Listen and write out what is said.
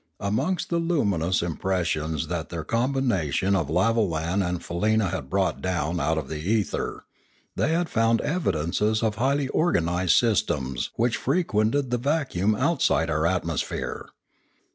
Amongst the luminous impressions that their combina tion of lavolan and faleena had brought down out of the ether, they had found evidences of highly organised systems which frequented the vacuum outside our at mosphere.